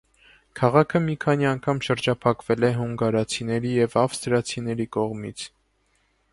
Քաղաքը մի քանի անգամ շրջափակվել է հունգարացիների և ավստրացիների կողմից։